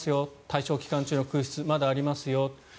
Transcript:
対象期間中の空室まだありますよ。